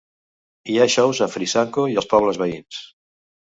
Hi ha xous a Frisanco i els pobles veïns.